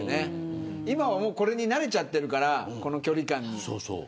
今はこれに慣れちゃってるからこの距離感に。